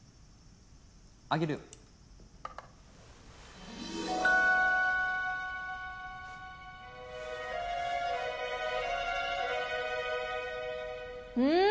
あげるようん！